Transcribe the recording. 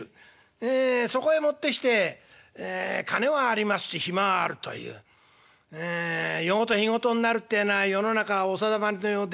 ええそこへ持ってきて金はありますし暇はあるというええ夜ごと日ごとになるってえのは世の中お定まりのようで。